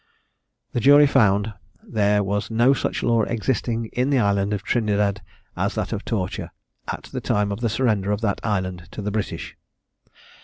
The jury found There was no such law existing in the island of Trinidad, as that of torture, at the time of the surrender of that island to the British.